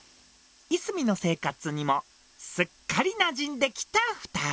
いすみの生活にもすっかりなじんできた２人。